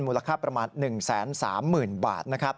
มูลค่าประมาณ๑๓๐๐๐๐บาท